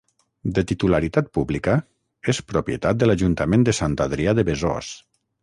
De titularitat pública, és propietat de l'Ajuntament de Sant Adrià de Besòs.